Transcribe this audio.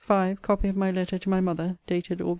3. 5. Copy of my Letter to my mother ..... dated Aug.